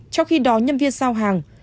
trong khi đó nhân viên sao hàng